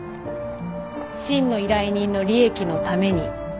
真の依頼人の利益のために。